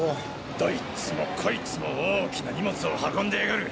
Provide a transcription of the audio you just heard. どいつもこいつも大きな荷物を運んでやがる。